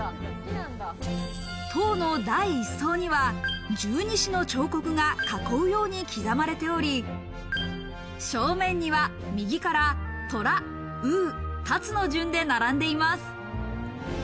塔の第一層には十二支の彫刻が囲うように刻まれており、正面には右から寅、卯、辰の順で並んでいます。